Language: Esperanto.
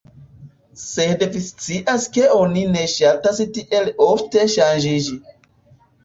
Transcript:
Sed vi scias ke oni ne ŝatas tiel ofte ŝanĝiĝi."